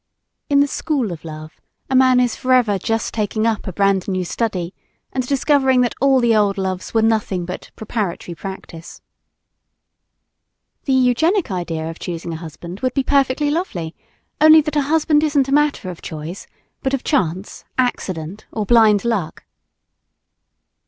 In the School of Love, a man is forever just taking up a brand new "study" and discovering that all the old loves were nothing but "preparatory practice." The eugenic idea of choosing a husband would be perfectly lovely, only that a husband isn't a matter of choice, but of chance, accident or blind luck.